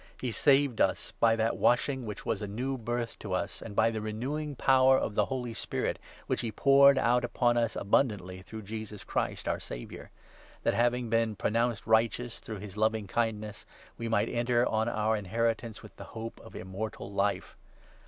He saved us by that Washing which was a New Birth to us, and by the renewing power of the Holy Spirit, which he poured out upon us abundantly through 6 Jesus Christ our Saviour ; that, having been pronounced 7 righteous through his loving kindness, we might enter on our inheritance with the hope of Immortal Life.